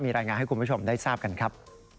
รายงานให้คุณผู้ชมได้ทราบกันครับ